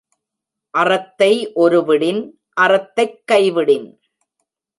அறத்தை ஒருவிடின்—அறத்தைக் கைவிடின்.